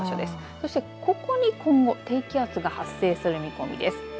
そしてここに今後低気圧が発生する見込みです。